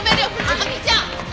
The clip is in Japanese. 亜美ちゃん！